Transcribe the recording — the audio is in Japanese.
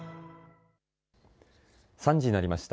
３時になりました。